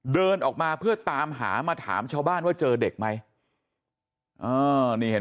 เดินออกมาเพื่อตามหามาถามชาวบ้านว่าเจอเด็กไหม